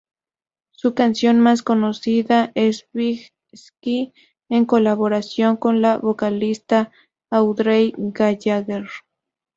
Su canción más conocida es Big Sky, en colaboración con la vocalista Audrey Gallagher.